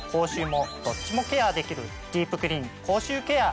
ケアできる「ディープクリーン口臭ケア」。